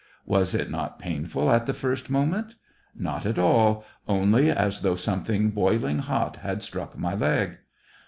" Was it not painful at the first moment t "" Not at all ; only as though something boiling hot had struck my leg."